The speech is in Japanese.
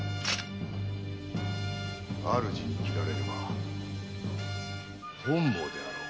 主に斬られれば本望であろう。